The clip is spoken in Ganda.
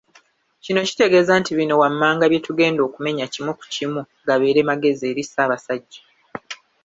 Kino Kitegeeza nti bino wammanga bye tugenda okumenya kimu ku kimu gabeere magezi eri Ssabasajja